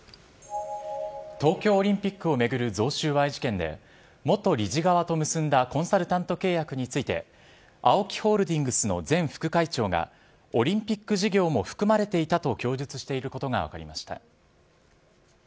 東京オリンピックを巡る贈収賄事件で元理事側と結んだコンサルタント契約についてＡＯＫＩホールディングスの前副会長がオリンピック事業も含まれていたと供述していることが分かりました。